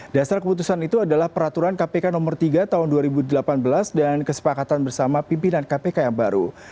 dasar keputusan itu adalah peraturan kpk nomor tiga tahun dua ribu delapan belas dan kesepakatan bersama pimpinan kpk yang baru